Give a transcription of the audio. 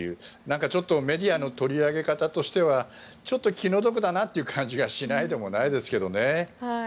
ちょっとメディアの取り上げ方としてはちょっと気の毒だなという感じもしないでもないですけどね。